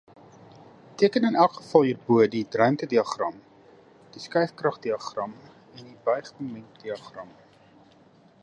Teken in elke geval hierbo die ruimtediagram, die skuifkragdiagram en die buigmomentdiagram.